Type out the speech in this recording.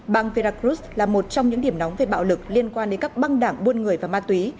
bang veracruz là một trong những điểm nóng về bạo lực liên quan đến các băng đảng buôn người và ma túy